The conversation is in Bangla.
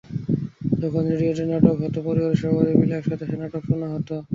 যখন রেডিওতে নাটক হতো, পরিবারের সবাই মিলে একসাথে সে নাটক শোনা হতো।